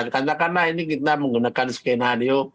tanda tanda ini kita menggunakan skenario